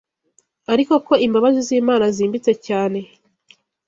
ariko ko imbabazi z’Imana zimbitse cyane